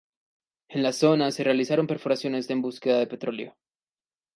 En la zona se realizaron perforaciones en búsqueda de petróleo.